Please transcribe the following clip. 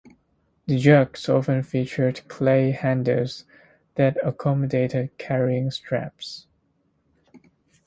The jugs often featured clay handles that accommodated carrying straps.